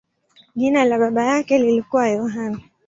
Jina la baba yake lilikuwa Yohane.